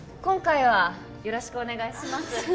今回はよろしくお願いします